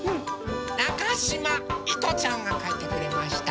なかしまいとちゃんがかいてくれました。